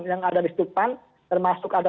yang ada di stupan termasuk ada